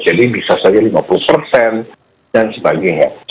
jadi bisa saja lima puluh dan sebagainya